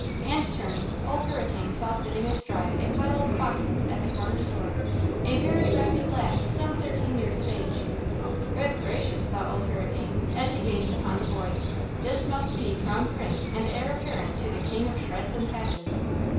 And turning, Old Hurricane saw sitting astride a pile of boxes at the corner store, a very ragged lad some thirteen years of age. "Good gracious!" thought Old Hurricane, as he gazed upon the boy, "this must be crown prince and heir apparent to the 'king of shreds and patches!'